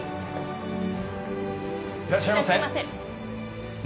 いらっしゃいませ。